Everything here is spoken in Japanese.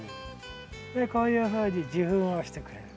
でこういうふうに受粉をしてくれる。